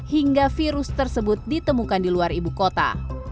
hingga virus tersebut ditemukan di luar ibu kota